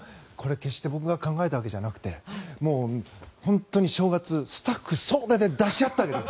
決して僕が考えたわけじゃなくて本当に正月スタッフ総出で出し合ったわけです。